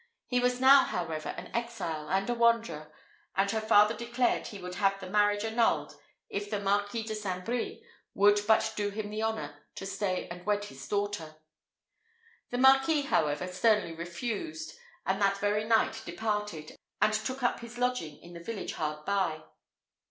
He was now, however, an exile, and a wanderer; and her father declared he would have the marriage annulled if the Marquis de St. Brie would but do him the honour to stay and wed his daughter. The Marquis, however, sternly refused, and that very night departed, and took up his lodging at the village hard by.